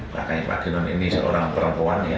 kakaknya pak ginon ini seorang perempuan ya